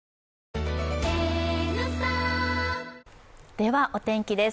では、お天気です。